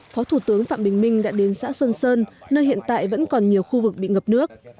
phó thủ tướng phạm bình minh đã đến xã xuân sơn nơi hiện tại vẫn còn nhiều khu vực bị ngập nước